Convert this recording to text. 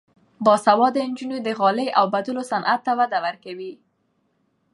باسواده نجونې د غالۍ اوبدلو صنعت ته وده ورکوي.